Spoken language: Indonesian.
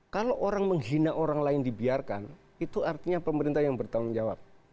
kalau orang menghina orang lain dibiarkan itu artinya pemerintah yang bertanggung jawab